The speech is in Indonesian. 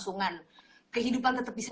saya yang milik liat umumnya juga gak bisa